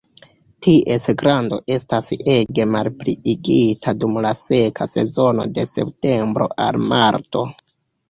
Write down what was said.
Ties grando estas ege malpliigita dum la seka sezono de septembro al marto.